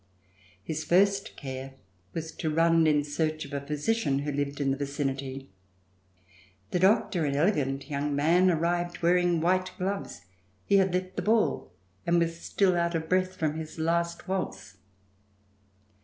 His first care was to run in search of a physician who lived in the vicinity. The doctor, an elegant young man, arrived, wearing white gloves. He had left the ball and was still out of breath from his last waltz.